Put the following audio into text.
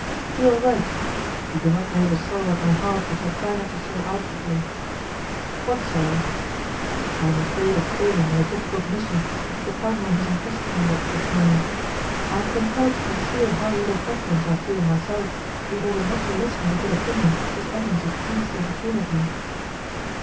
"You are right; but you do not know the sorrow at my heart which I try not to shew outwardly." "What sorrow?" "I am afraid of failing in a difficult mission which the cardinal has entrusted me with this morning. I am compelled to conceal how little confidence I feel in myself in order not to lessen the good opinion his eminence is pleased to entertain of me."